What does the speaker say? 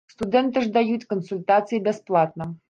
Студэнты ж даюць кансультацыі бясплатна.